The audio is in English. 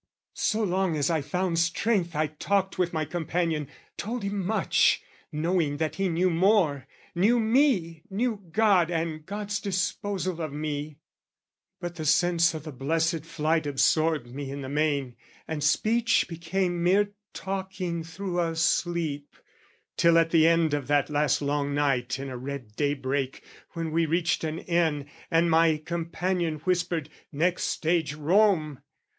So long as I found strength "I talked with my companion, told him much, "Knowing that he knew more, knew me, knew God "And God's disposal of me, but the sense "O' the blessed flight absorbed me in the main, "And speech became mere talking through a sleep, "Till at the end of that last longest night "In a red daybreak, when we reached an inn "And my companion whispered 'Next stage Rome!'